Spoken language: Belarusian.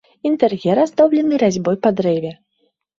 Інтэр'ер аздоблены разьбой па дрэве.